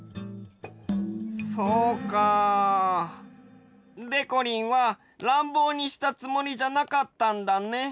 そうか。でこりんはらんぼうにしたつもりじゃなかったんだね。